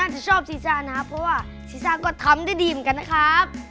สุภาบุรุษสุดซ่า